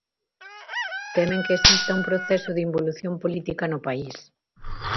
Temen que exista un proceso de involución política no país.